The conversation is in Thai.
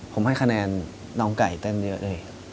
ผมให้คะแนนน้องไก่เต้นเยอะเลย